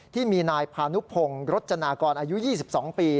ที่มีนายพานุพงศ์รจนากรอายุ๒๒ปี